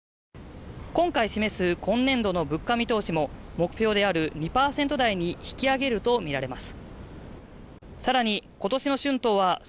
今回示す今年度の物価見通しも目標である２％台に引き上げるとみられます